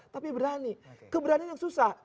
tapi berani keberanian yang susah